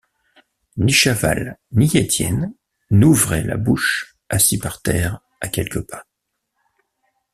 Ni Chaval ni Étienne n’ouvraient la bouche, assis par terre, à quelques pas.